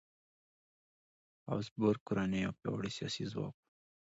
هابسبورګ کورنۍ یو پیاوړی سیاسي ځواک و.